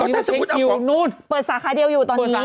ตอนนี้มันเป็นคิวเปิดสาขาเดียวอยู่ตอนนี้